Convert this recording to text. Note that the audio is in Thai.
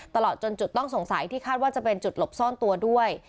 ตลอดจนจุดต้องสงสัยที่คาดว่าจะเป็นจุดหลบซ่อนตัวด้วย